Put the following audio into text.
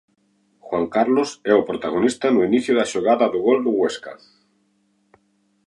Juan Carlos é o protagonista no inicio da xogada do gol do Huesca.